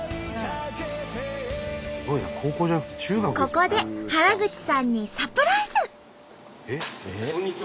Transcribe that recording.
ここで原口さんにサプライズ！